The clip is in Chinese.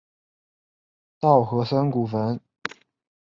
稻荷森古坟。